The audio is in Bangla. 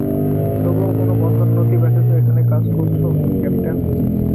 তবুও কোনো পদোন্নতি ব্যতীত এখানে কাজ করছো, ক্যাপ্টেন।